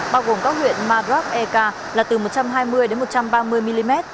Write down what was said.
bao gồm các huyện madrak eka là từ một trăm hai mươi một trăm ba mươi mm